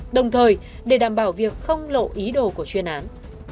đồng thời để đảm bảo việc không lộ ý đồ của chuyên án